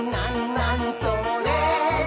なにそれ？」